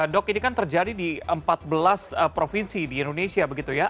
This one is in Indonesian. dok ini kan terjadi di empat belas provinsi di indonesia begitu ya